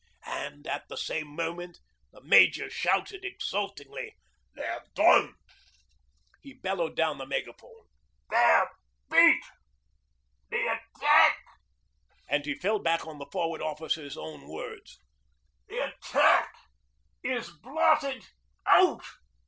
And at the same moment the Major shouted exultingly. 'They're done!' he bellowed down the megaphone; 'they're beat! The attack and he fell back on the Forward Officer's own words 'the attack is blotted out.'